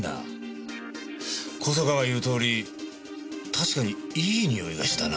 小坂が言うとおり確かにいいにおいがしたな